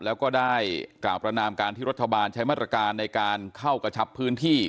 แล้วก็ได้กล่าวประนามการที่รัฐบาลใช้มาตรการในการเข้ากระชับพื้นที่